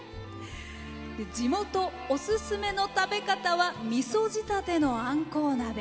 地元オススメの食べ方はみそ仕立てのあんこう鍋。